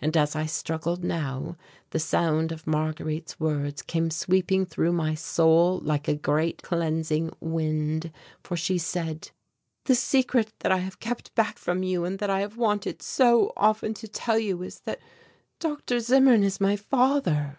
And as I struggled now the sound of Marguerite's words came sweeping through my soul like a great cleansing wind, for she said "The secret that I have kept back from you and that I have wanted so often to tell you is that Dr. Zimmern is my father!"